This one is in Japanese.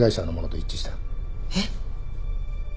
えっ！？